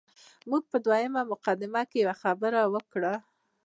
موږ په دویمه مقدمه کې یوه خبره وکړه.